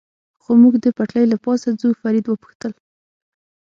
خو موږ د پټلۍ له پاسه ځو، فرید و پوښتل.